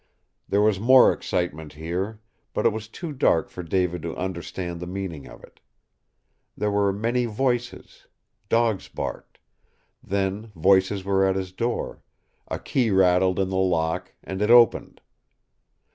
There was more excitement here, but it was too dark for David to understand the meaning of it. There were many voices; dogs barked. Then voices were at his door, a key rattled in the lock, and it opened.